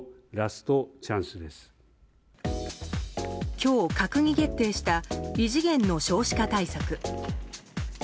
今日、閣議決定した異次元の少子化対策。